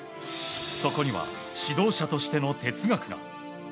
そこには指導者としての哲学が。